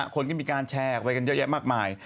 คนก็มีการแชร์ออกไปกันเยอะแยะมากมาย